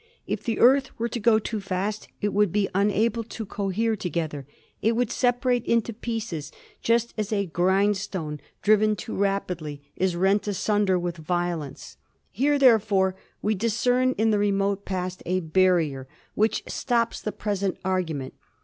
If the Earth were to go too fast it would be unable to cohere together; it would separate into pieces, just as a grindstone driven too rap 162 ASTRONOMY idly is rent asunder with violence. Here, therefore, we discern in the remote past a barrier which stops the pres ent argument.